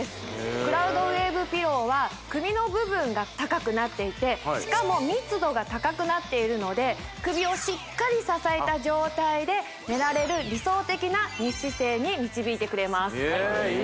クラウドウェーブピローは首の部分が高くなっていてしかも密度が高くなっているので首をしっかり支えた状態で寝られる理想的な寝姿勢に導いてくれますえ